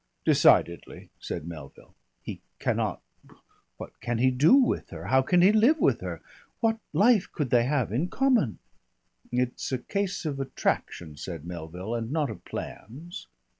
"Decidedly," said Melville. "He cannot What can he do with her? How can he live with her? What life could they have in common?" "It's a case of attraction," said Melville, "and not of plans."